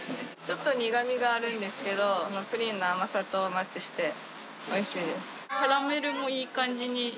ちょっと苦みがあるんですけどプリンの甘さとマッチしておいしいです。